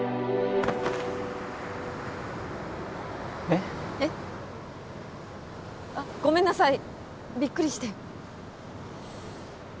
えっ？えっ？あっごめんなさいびっくりして。